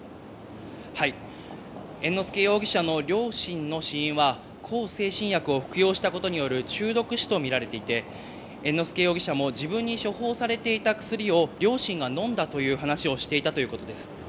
猿之助容疑者の両親の死因は向精神薬を服用したことによる中毒死と見られていて、猿之助容疑者も自分に処方されていた薬を両親が飲んだという話をしていたということです。